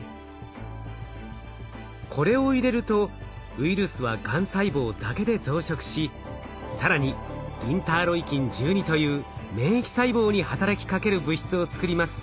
これを入れるとウイルスはがん細胞だけで増殖し更にインターロイキン１２という免疫細胞に働きかける物質を作ります。